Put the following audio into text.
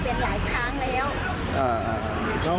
เป็นหลายครั้งแล้ว